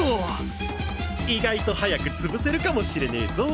意外と早く潰せるかもしれねぇぞ。